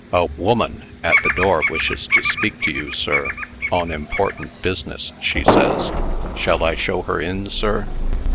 "A woman at the door wishes to speak to you, sir, on important business, she says. Shall I show her in, sir?"